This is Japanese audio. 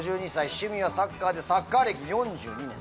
趣味はサッカーでサッカー歴４２年。